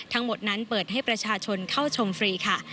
ทั้งหมดนั้นเปิดให้ประชาชนเข้าชมฟรีค่ะ